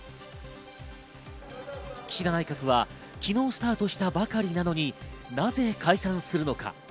岸田内閣は昨日スタートしたばかりなのに、なぜ解散するのか。